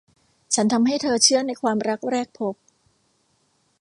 ฉันทำให้เธอเชื่อในความรักแรกพบ